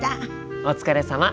お疲れさま。